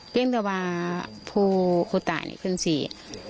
เพียงต่อมาพูดต่างี้คือสิ